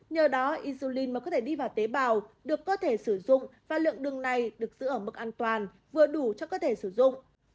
nhờ đó inzulin mới có thể đi vào tế bào được cơ thể sử dụng và lượng đường này được giữ ở mức an toàn vừa đủ cho cơ thể sử dụng